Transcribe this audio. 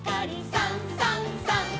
「さんさんさん」